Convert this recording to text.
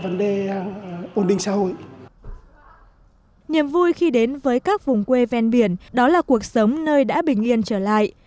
niềm vui khi đến với các vùng quê ven biển đó là cuộc sống nơi đã bình yên trở lại